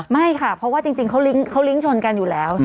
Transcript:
ไม่ค่ะเพราะว่าจริงเขาลิงก์ชนกันอยู่แล้ว